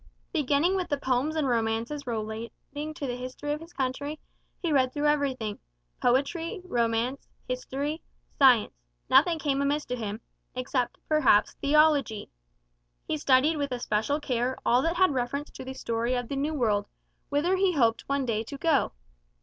Beginning with the poems and romances relating to the history of his country, he read through everything; poetry, romance, history, science, nothing came amiss to him, except perhaps theology. He studied with especial care all that had reference to the story of the New World, whither he hoped one day to go.